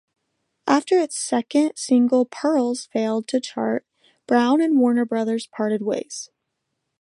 After its second single, "Pearls," failed to chart, Brown and Warner Brothers parted ways.